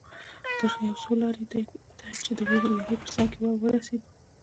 تر څو یوې لارې ته چې د ویالې په څنګ کې وه ورسېدو.